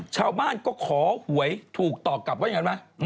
ชาวบ้านก็ขอหวยถูกตอบกลับว่าอย่างนั้นไหม